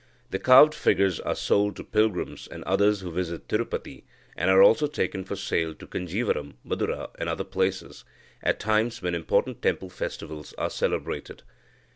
The carved figures are sold to pilgrims and others who visit Tirupati, and are also taken for sale to Conjeeveram, Madura, and other places, at times when important temple festivals are celebrated.